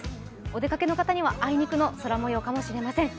お出かけの方にはあいにくの空模様かもしれません。